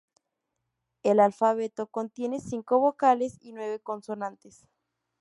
El alfabeto contiene cinco vocales y nueve consonantes.